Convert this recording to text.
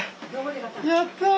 やったあ。